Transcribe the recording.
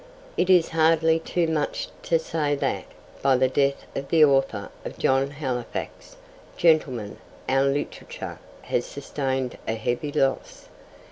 It is hardly too much to say that, by the death of the author of John Halifax, Gentleman, our literature has sustained a heavy loss.